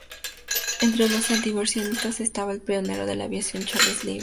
Entre los anti-intervencionistas estaba el pionero de la aviación Charles Lindbergh.